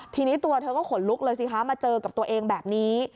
ทีนี้ตัวเธอก็ขนลุกเลยสิคะมาเจอกับตัวเองแบบนี้